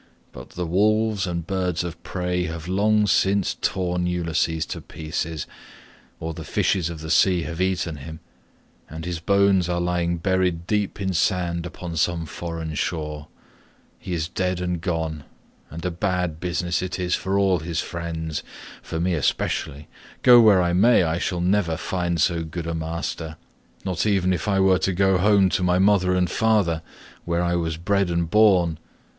But the wolves and birds of prey have long since torn Ulysses to pieces, or the fishes of the sea have eaten him, and his bones are lying buried deep in sand upon some foreign shore; he is dead and gone, and a bad business it is for all his friends—for me especially; go where I may I shall never find so good a master, not even if I were to go home to my mother and father where I was bred and born.